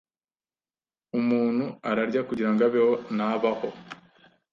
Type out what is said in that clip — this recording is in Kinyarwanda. Umuntu ararya kugirango abeho, ntabaho.